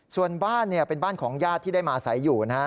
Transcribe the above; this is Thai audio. ส่วนบ้านเนี่ยเป็นบ้านของญาติที่ได้มาอาศัยอยู่นะฮะ